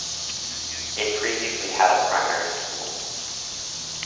It previously had a primary school.